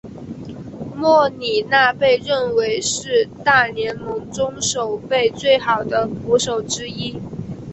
莫里纳被认为是大联盟中守备最好的捕手之一。